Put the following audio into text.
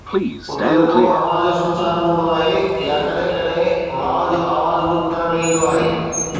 اتي رڳو هوا جو سنسار هوندو آهي يا ڪڏهن ڪڏهن واءُ جو آواز به ٻڌڻ ۾ ايندو آهي